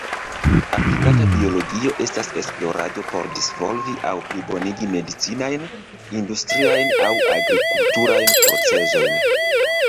Aplikata biologio estas esplorado por disvolvi aŭ plibonigi medicinajn, industriajn, aŭ agrikulturajn procezojn.